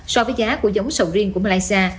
so với giá của giống sầu riêng của malaysia